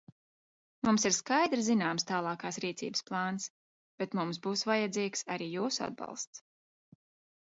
Mums ir skaidri zināms tālākas rīcības plāns, bet mums būs vajadzīgs arī jūsu atbalsts.